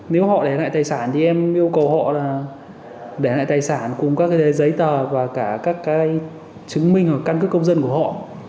nếu họ để lại tài sản thì em yêu cầu họ là để lại tài sản cùng các cái giấy tờ và cả các cái chứng minh hoặc căn cứ công dân của họ